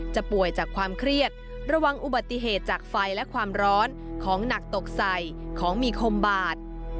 ป่วยจากความเครียดระวังอุบัติเหตุจากไฟและความร้อนของหนักตกใส่ของมีคมบาด